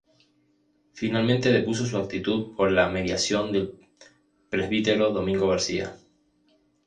Finalmente depuso su actitud por la mediación del presbítero Domingo García.